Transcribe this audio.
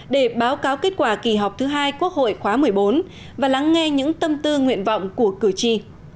để báo cáo kết quả kỳ họp thứ hai quốc hội khóa một mươi bốn và lắng nghe những tâm tư nguyện vọng của cử tri